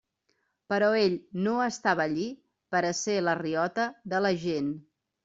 Però ell no estava allí per a ser la riota de la gent.